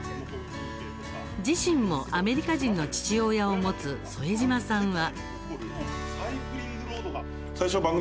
自身もアメリカ人の父親を持つ副島さんは。